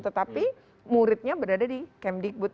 tetapi muridnya berada di camp digbud